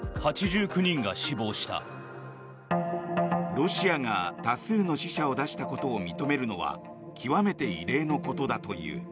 ロシアが多数の死者を出したことを認めるのは極めて異例のことだという。